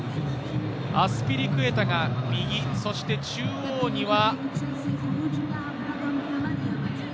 アスピリクエタが右、そして中央には。